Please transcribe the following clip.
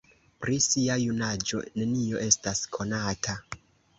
Pri sia junaĝo nenio estas konata.